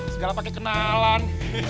segala pake kenalan